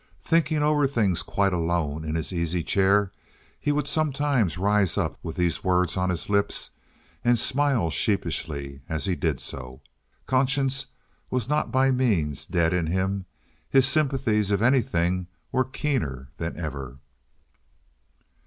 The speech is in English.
Thinking over things quite alone in his easy chair, he would sometimes rise up with these words on his lips, and smile sheepishly as he did so. Conscience was not by any means dead in him. His sympathies, if anything, were keener than ever.